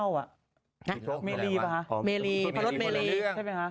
อะไรวะเมลีหรือเปล่าคะเมลีพรรดเมลีใช่เปล่าคะ